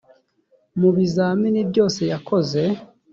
mu bizamini byose yakoze